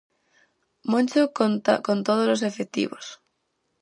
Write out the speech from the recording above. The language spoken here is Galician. Moncho conta con tódolos efectivos.